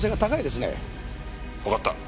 わかった。